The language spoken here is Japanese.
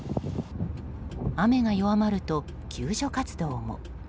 雨が弱まると、救助活動も。